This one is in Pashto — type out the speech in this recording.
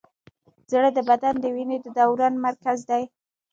زړه د بدن د وینې د دوران مرکز دی.